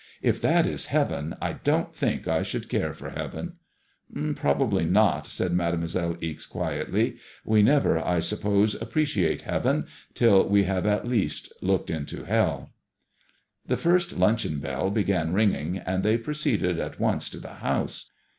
"If that is heaven, I don't think I should care for heaven.'* " Probably not," said Made moiselle Ixe, quietly. " We never, I suppose, appreciate heaven till we have at least looked into helL" The first luncheon bell began ringing, and they proceeded at once to the house.